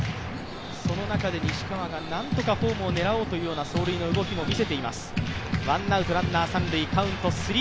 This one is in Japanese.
その中で西川がなんとかホームを狙おうという走塁の動きも見せています。